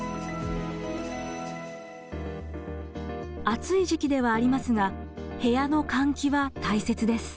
暑い時期ではありますが部屋の換気は大切です。